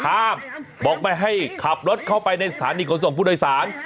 ห้ามบอกให้ขับรถเข้าไปในสถานีขนส่งพุทธศาสตร์